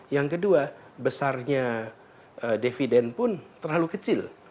yang kedua besarnya dividen pun terlalu kecil